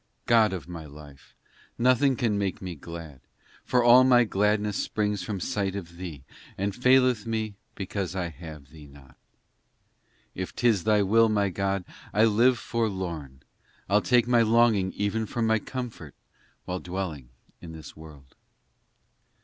in God of my life ! nothing can make me glad, For all my gladness springs from sight of Thee, And faileth me because I have Thee not. IV If tis Thy will, my God, I live forlorn, I ll take my longings even for my comfort While dwelling in this world.